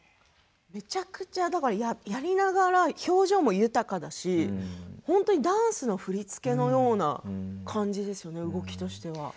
めちゃくちゃやりながら表情も豊かだし本当にダンスの振り付けのような感じですよね。